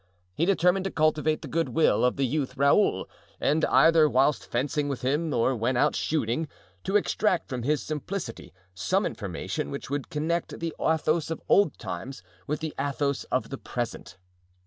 He determined to cultivate the good will of the youth Raoul and, either whilst fencing with him or when out shooting, to extract from his simplicity some information which would connect the Athos of old times with the Athos of the present.